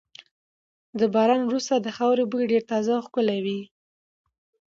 د باران وروسته د خاورې بوی ډېر تازه او ښکلی وي.